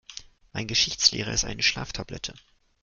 Mein Geschichtslehrer ist eine Schlaftablette.